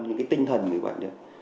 những cái tinh thần người bệnh